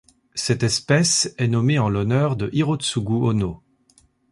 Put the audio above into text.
Cette espèce est nommée en l'honneur de Hirotsugu Ono.